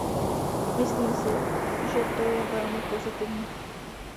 Myslím si, že to je velmi pozitivní.